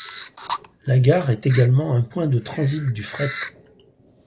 La gare est également un point de transit du fret.